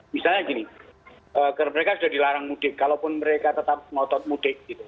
misalnya gini mereka sudah dilarang mudik kalaupun mereka tetap ngotot mudik gitu